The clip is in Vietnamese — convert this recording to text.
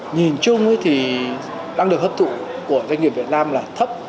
nhìn chung thì năng lực hấp thụ của doanh nghiệp việt nam là thấp